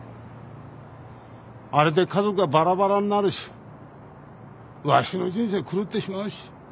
あれで家族はばらばらになるしわしの人生狂ってしまうし。